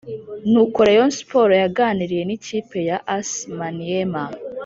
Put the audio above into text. nuko rayon sports yaganiriye n’ikipe ya as maniema